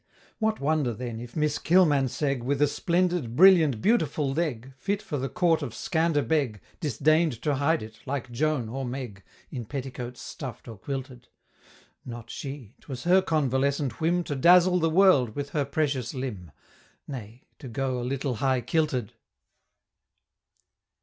What wonder, then, if Miss Kilmansegg, With a splendid, brilliant, beautiful leg, Fit for the court of Scander Beg, Disdain'd to hide it like Joan or Meg, In petticoats stuff'd or quilted? Not she! 'twas her convalescent whim To dazzle the world with her precious limb, Nay, to go a little high kilted.